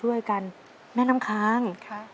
แต่ที่แม่ก็รักลูกมากทั้งสองคน